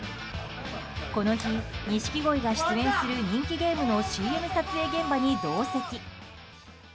この日、錦鯉が出演する人気ゲームのＣＭ撮影現場に同席。